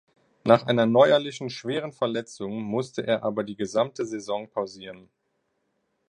Nach einer neuerlichen schweren Verletzung musste er aber die gesamte Saison pausieren.